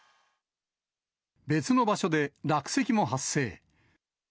別の場所で落石も発生。